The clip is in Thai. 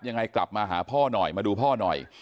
ยังไงกลับมาหาพ่อหน่อยมาดูพ่อหน่อย